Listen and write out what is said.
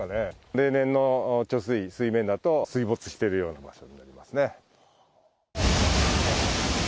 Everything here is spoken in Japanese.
例年の貯水、水面だと、水没してるような場所になりますね。